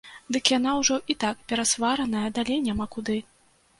Дык яна ўжо і так перасвараная, далей няма куды.